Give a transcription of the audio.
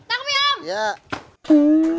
tangkap ya om